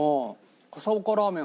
笠岡ラーメン